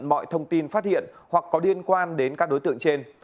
mọi thông tin phát hiện hoặc có liên quan đến các đối tượng trên